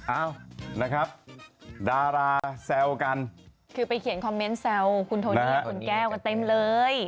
เอ้านะครับดาราแซวกันคือไปเขียนคอมเมนต์แซวคุณโทนี่คุณแก้วกันเต็มเลย